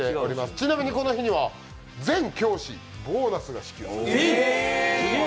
ちなみにこの日には全教師、ボーナスが支給されます。